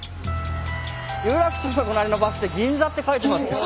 有楽町の隣のバス停「銀座」って書いてます。